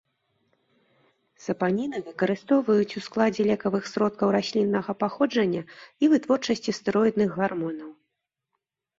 Сапаніны выкарыстоўваюць ў складзе лекавых сродкаў расліннага паходжання і вытворчасці стэроідных гармонаў.